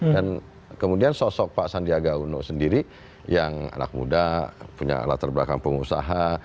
dan kemudian sosok pak sandiaga uno sendiri yang anak muda punya latar belakang pengusaha